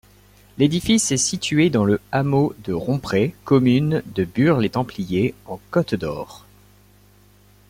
L'édifice est situé dans le hameau de Romprey, commune de Bure-les-Templiers en Côte-d'Or.